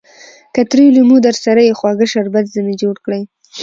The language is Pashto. که تريو لېمو درسره يي؛ خواږه شربت ځني جوړ کړئ!